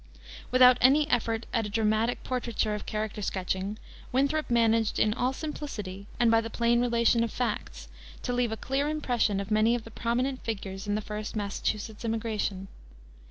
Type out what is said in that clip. Without any effort at dramatic portraiture or character sketching, Winthrop managed in all simplicity, and by the plain relation of facts, to leave a clear impression of many of the prominent figures in the first Massachusetts immigration.